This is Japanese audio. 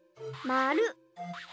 まる。